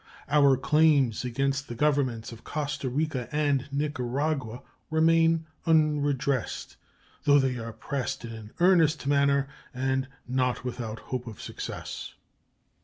Our claims against the Governments of Costa Rica and Nicaragua remain unredressed, though they are pressed in an earnest manner and not without hope of success.